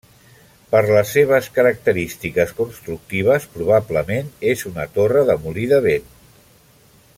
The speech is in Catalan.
Per les seves característiques constructives probablement és una torre de molí de vent.